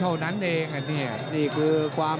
โอ้โหแดงโชว์อีกเลยเดี๋ยวดูผู้ดอลก่อน